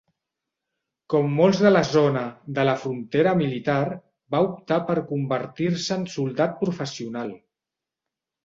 Com molts de la zona de la frontera militar, va optar per convertir-se en soldat professional.